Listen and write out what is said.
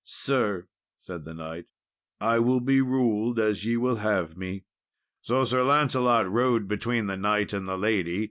"Sir," said the knight, "I will be ruled as ye will have me." So Sir Lancelot rode between the knight and the lady.